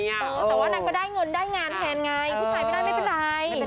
แต่ว่านางก็ได้เงินได้งานแทนไงผู้ชายไม่ได้ไม่เป็นไร